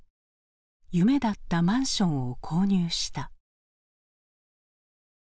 夢だったマンションを購入した。